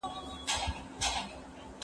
هغه وويل چي ځواب سم دی؟